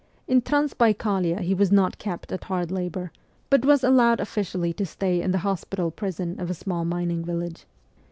In Transbaikalia he was not kept at hard labour, but was allowed officially to stay in the hospital prison of a small mining village.